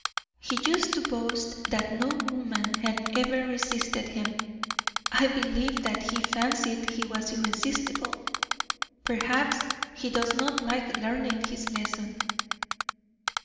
He used to boast that no woman had ever resisted him. I believe that he fancied he was irresistible. Perhaps he does not like learning his lesson."